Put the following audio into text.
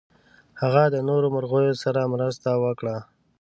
هغه د نورو مرغیو سره مرسته وکړه.